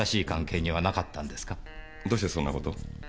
どうしてそんなことを？